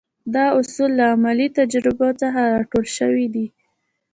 دا اصول له عملي تجربو څخه را ټول شوي دي.